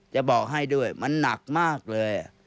จะบอกให้ด้วยมันหนักมากเลย